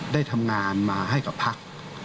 ได้ทำงานมาให้กับพัก